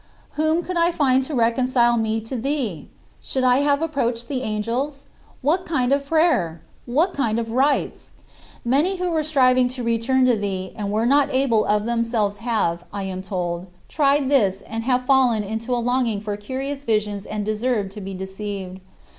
Whom could I find to reconcile me to thee? Should I have approached the angels? What kind of prayer? What kind of rites? Many who were striving to return to thee and were not able of themselves have, I am told, tried this and have fallen into a longing for curious visions and deserved to be deceived.